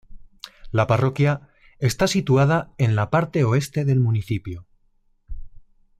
La parroquia está situada en la parte oeste del municipio.